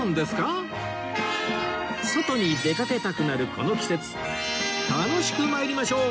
外に出かけたくなるこの季節楽しく参りましょう！